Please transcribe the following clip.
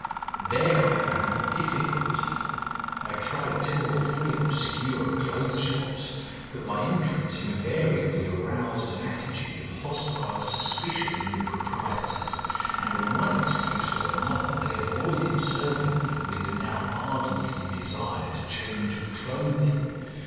There I found a difficulty. I tried two or three obscure clothes shops, but my entrance invariably aroused an attitude of hostile suspicion in the proprietors, and on one excuse or another they avoided serving me with the now ardently desired change of clothing.